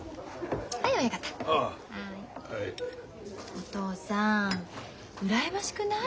お父さん羨ましくない？